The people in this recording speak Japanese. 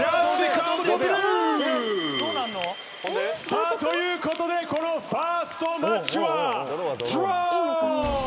さあということでこのファーストマッチはＤＲＡＷ！